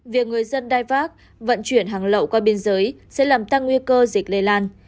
việc người dân đai vác vận chuyển hàng lậu qua biên giới sẽ làm tăng nguy cơ dịch lây lan